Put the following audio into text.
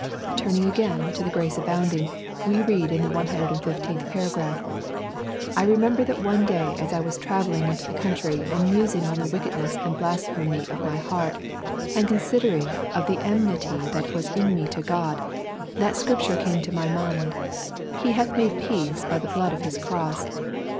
Turning again to the Grace Abounding, we read in the 115th paragraph: 'I remember that one day as I was travelling into the country and musing on the wickedness and blasphemy of my heart, and considering of the enmity that was in me to God, that scripture came into my mind, He hath made peace by the blood of His Cross.